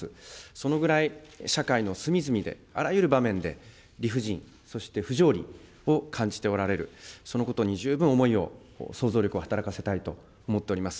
そのぐらい社会の隅々で、あらゆる場面で理不尽、そして不条理を感じておられる、そのことに十分思いを、想像力を働かせたいと思っております。